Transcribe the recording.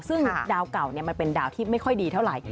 ซึ่งดาวเก่ามันเป็นดาวที่ไม่ค่อยดีเท่าไหร่